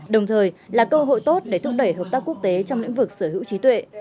đồng thời là cơ hội tốt để thúc đẩy hợp tác quốc tế trong lĩnh vực sở hữu trí tuệ